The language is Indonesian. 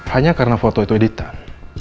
hanya karena foto itu editan